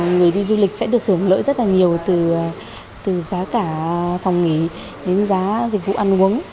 người đi du lịch sẽ được hưởng lợi rất là nhiều từ giá cả phòng nghỉ đến giá dịch vụ ăn uống